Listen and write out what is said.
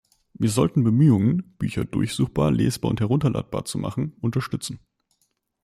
Wir sollten Bemühungen, Bücher durchsuchbar, lesbar und herunterladbar zu machen, unterstützen.